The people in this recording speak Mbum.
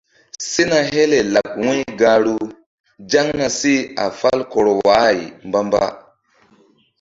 Sena hele laɓ wu̧y gahru zaŋna seh a fal kɔr wa-ay mbamba.